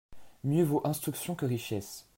Mieux vaut instruction que richesse.